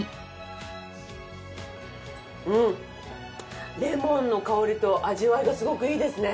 うんレモンの香りと味わいがすごくいいですね！